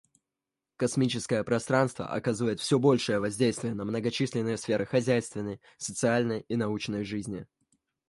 Космическое пространство оказывает все большее воздействие на многочисленные сферы хозяйственной, социальной и научной жизни.